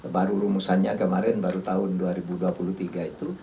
baru rumusannya kemarin baru tahun dua ribu dua puluh tiga itu